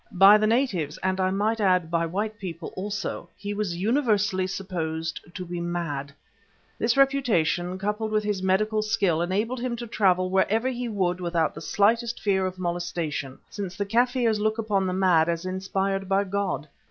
By the natives, and I might add by white people also, he was universally supposed to be mad. This reputation, coupled with his medical skill, enabled him to travel wherever he would without the slightest fear of molestation, since the Kaffirs look upon the mad as inspired by God.